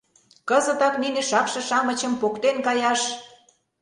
Кызытак нине шакше-шамычым поктен каяш!..